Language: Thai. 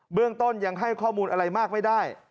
เรื่องต้นยังให้ข้อมูลอะไรมากไม่ได้